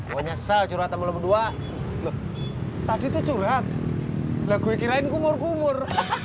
menyesal curhat sama lu berdua tadi curhat lagu kirain kumur kumur